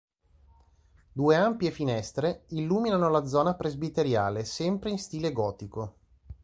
Due ampie finestre illuminano la zona presbiteriale sempre in stile gotico..